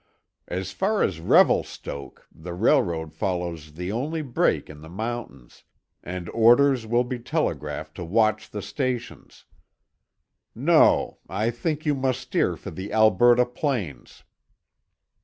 As far as Revelstoke, the railroad follows the only break in the mountains, and orders will be telegraphed to watch the stations. No; I think you must steer for the Alberta plains."